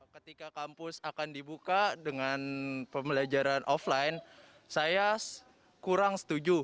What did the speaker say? ketika kampus akan dibuka dengan pembelajaran offline saya kurang setuju